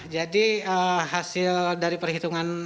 jadi hasil dari perhitungan